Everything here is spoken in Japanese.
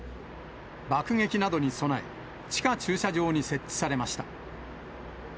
爆撃などに備え、地下駐車場に設置されました。